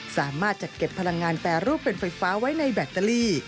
สามารถจัดเก็บพลังงานแปรรูปเป็นไฟฟ้าไว้ในแบตเตอรี่